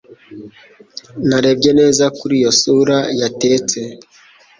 Narebye neza kuri iyo sura yatetse